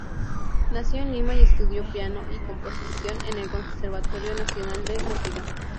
Nació en Lima y estudió piano y composición en el Conservatorio Nacional de Música.